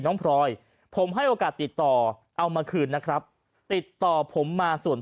พลอยผมให้โอกาสติดต่อเอามาคืนนะครับติดต่อผมมาส่วน